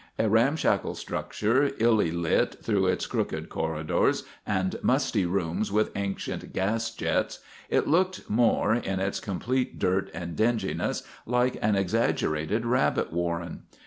A ramshackle structure, illy lit through its crooked corridors and musty rooms with ancient gas jets, it looked more, in its complete dirt and dinginess, like an exaggerated rabbit warren.